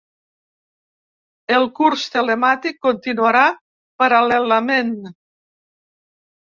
El curs telemàtic continuarà paral·lelament.